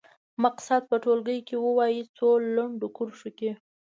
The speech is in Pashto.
مقصد په ټولګي کې ووايي څو لنډو کرښو کې.